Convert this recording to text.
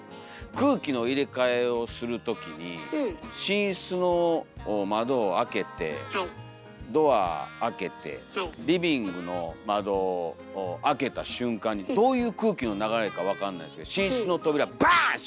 空気の入れ替えをする時に寝室の窓を開けてドア開けてリビングの窓を開けた瞬間にどういう空気の流れか分かんないですけど寝室の扉バン！